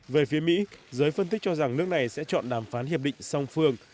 về phía mỹ giới phân tích cho rằng nước này sẽ chọn đàm phán hiệp định song phương